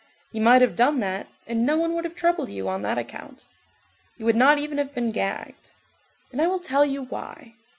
You might have done that, and no one would have troubled you on that account. You would not even have been gagged. And I will tell you why.